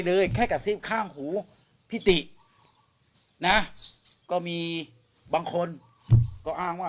เลยแค่กระซิบข้างหูพี่ตินะก็มีบางคนก็อ้างว่า